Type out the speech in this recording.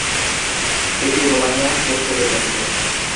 এটি রোমানিয়া, চেক প্রজাতন্ত্র।